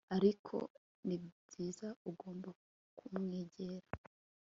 Ariko nibyiza ugomba kumwegera